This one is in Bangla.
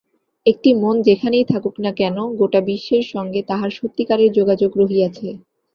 একটি মন যেখানেই থাকুক না কেন, গোটা বিশ্বের সঙ্গে তাহার সত্যিকারের যোগাযোগ রহিয়াছে।